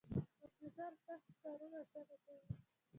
کمپیوټر سخت کارونه اسانه کوي